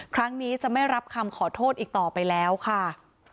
ครั้งนี้จะไม่รับคำขอโทษอีกต่อไปแล้วค่ะ